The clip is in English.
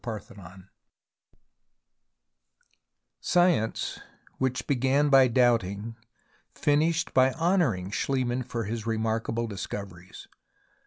CHAPTER XIV SCIENCE, which began by doubting, finished by honouring SchHemann for his remark able discoveries.